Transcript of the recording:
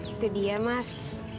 itu dia mas